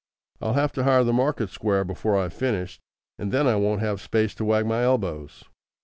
I'll have to hire the market square before I've finished, and then I won't have space to wag my elbows.